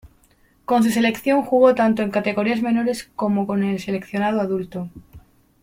Con su selección jugó tanto en categorías menores como con el seleccionado adulto.